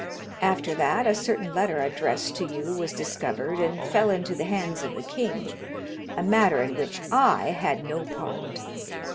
After that a certain letter addressed to you was discovered and fell into the hands of the king a matter in which I had no part.